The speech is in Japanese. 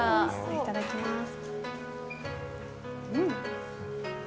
いただきます。